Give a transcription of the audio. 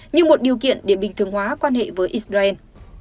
như một điều kiện để bình thường hóa quan hệ với israel